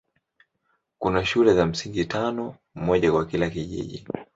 Kuna shule za msingi tano, moja kwa kila kijiji.